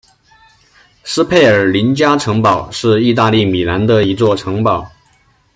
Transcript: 斯佩尔林加城堡是意大利米兰的一座城堡。